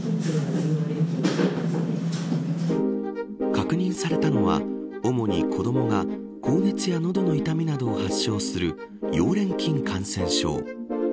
確認されたのは主に子どもが高熱や喉の痛みなどを発症する溶連菌感染症。